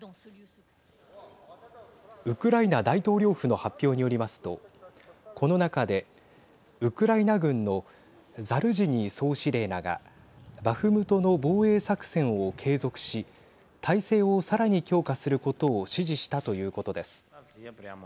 ウクライナ大統領府の発表によりますとこの中でウクライナ軍のザルジニー総司令らがバフムトの防衛作戦を継続し態勢をさらに強化することを指示したということです。